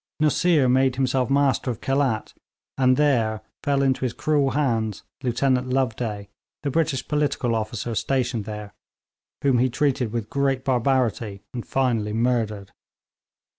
Nusseer made himself master of Khelat, and there fell into his cruel hands Lieutenant Loveday, the British political officer stationed there, whom he treated with great barbarity, and finally murdered.